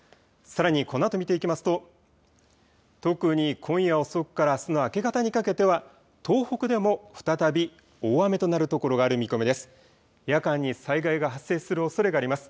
さらにこのあと見ていきますと、特に今夜遅くからあすの明け方にかけては東北でも再び大雨となるところがある見込みです。